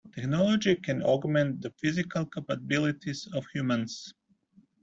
Technology can augment the physical capabilities of humans.